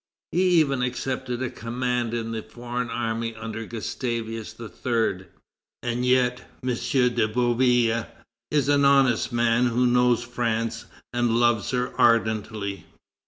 He even accepted a command in the foreign army under Gustavus III. And yet M. de Bouillé is an honest man who knows France and loves her ardently.